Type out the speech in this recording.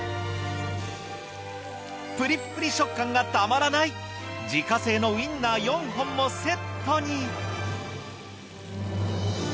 ぷりっぷり食感がたまらない自家製のウィンナー４本もセットに。